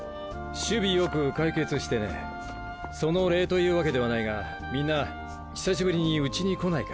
首尾よく解決してねその礼というわけではないがみんな久しぶりに家に来ないか？